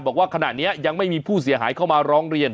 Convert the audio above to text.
บอกว่าขณะนี้ยังไม่มีผู้เสียหายเข้ามาร้องเรียน